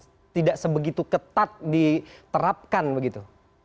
apakah tidak sebegitu ketat diterapkan begitu